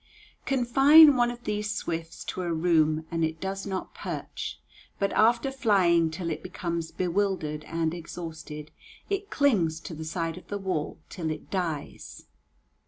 Confine one of these swifts to a room and it does not perch, but after flying till it becomes bewildered and exhausted, it clings to the side of the wall till it dies.